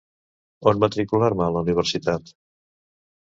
On matricular-me a la Universitat?